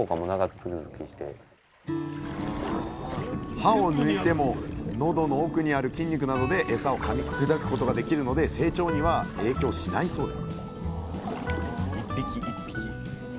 歯を抜いてものどの奥にある筋肉などでエサをかみ砕くことができるので成長には影響しないそうです